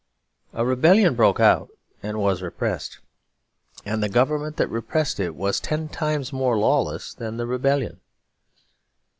A rebellion broke out and was repressed; and the government that repressed it was ten times more lawless than the rebellion.